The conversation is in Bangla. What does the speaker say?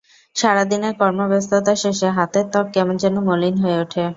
সারা দিনের কর্মব্যস্ততা শেষে হাতের ত্বক কেমন যেন মলিন হয়ে ওঠে।